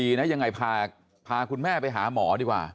ลูกไปได้ยังไงพาคุณแม่ไปหาหมอดีกว่า